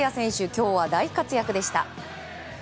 今日は大活躍でした。